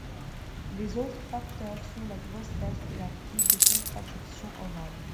Les autres facteurs sont la grossesse et la prise de contraception orale.